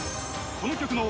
［この曲の］